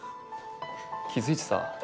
気付いてた？